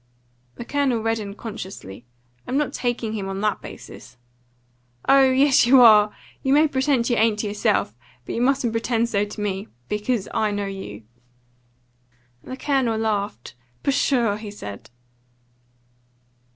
The Colonel reddened consciously. "I'm not taking him on that basis." "Oh yes, you are! You may pretend you ain't to yourself, but you mustn't pretend so to me. Because I know you." The Colonel laughed. "Pshaw!" he said.